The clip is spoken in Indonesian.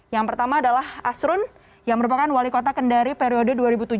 yang pertama adalah asrun yang merupakan wali kota kendari periode dua ribu tujuh belas dua ribu dua